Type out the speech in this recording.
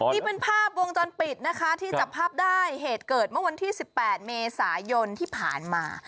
นี่เป็นภาพวงจรปิดนะคะที่จับภาพได้เหตุเกิดเมื่อวันที่๑๘เมษายนที่ผ่านมา